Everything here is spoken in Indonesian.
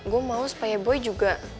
gue mau supaya boy juga